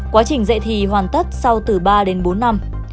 quá trình dạy thì hoàn tất sau từ ba đến bốn năm